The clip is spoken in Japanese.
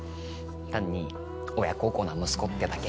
単に親孝行な息子ってだけ。